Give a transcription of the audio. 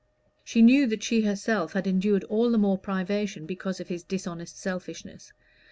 She knew that she herself had endured all the more privation because of his dishonest selfishness.